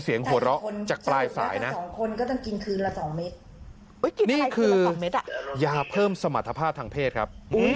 เสียงหัวร้อจากปลายสายนะคือยาเพิ่มสมรรถภาพทางเพศครับ